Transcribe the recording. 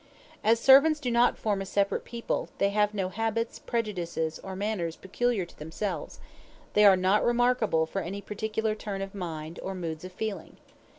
As servants do not form a separate people, they have no habits, prejudices, or manners peculiar to themselves; they are not remarkable for any particular turn of mind or moods of feeling.